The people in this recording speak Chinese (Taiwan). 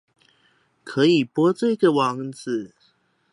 可以播這個網址